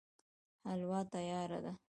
حلوا تياره ده